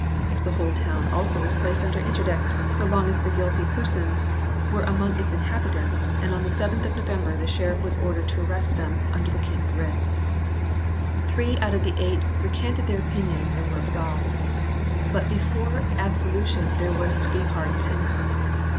The whole town also was placed under interdict so long as the guilty persons were among its inhabitants, and on the 7th of November the Sheriff was ordered to arrest them n] WYCLIFFE S MANUSCRIPT BIBLE 27 under the King s Writ. Three out of the eight recanted their opinions and were absolved, but before absolution there was to be hard penance.